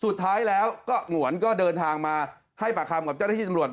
สุดท้ายแล้วก็หงวนก็เดินทางมาให้ปากคำกับเจ้าหน้าที่ตำรวจ